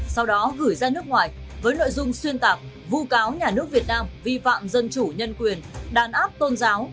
sau đó gửi ra nước ngoài với nội dung xuyên tạc vu cáo nhà nước việt nam vi phạm dân chủ nhân quyền đàn áp tôn giáo